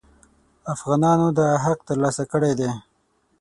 افغانانو دغه حق تر لاسه کړی دی.